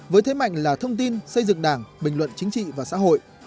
với thế mạnh là thông tin xây dựng đảng bình luận chính trị và xã hội